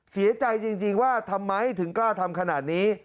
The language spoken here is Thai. เสียใจจริงว่าทำไมถึงกล้าทำขนาดนี้